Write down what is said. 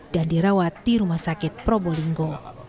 dan dirawat di rumah sakit probolinggo